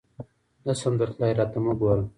نه شم درتلای ، راته مه ګوره !